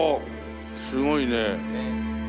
すごいね。